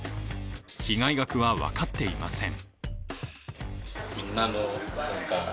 被害額は分かっていません。